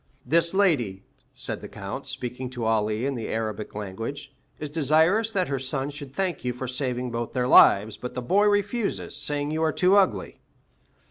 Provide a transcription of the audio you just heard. "This lady," said the Count, speaking to Ali in the Arabic language, "is desirous that her son should thank you for saving both their lives; but the boy refuses, saying you are too ugly."